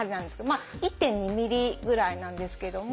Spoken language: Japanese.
まあ１．２ｍｍぐらいなんですけども。